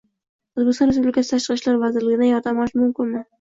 O‘zbekiston Respublikasi Tashqi ishlar vazirligidan yordam olish mumkinmi?